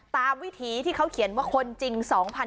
ตามวิธีที่เขาเขียนว่าคนจริง๒๐๒๐